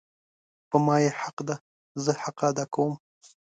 په ما یی حق ده زه حق ادا کوم